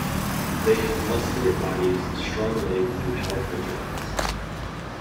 They have muscular bodies, strong legs, and powerful jaws.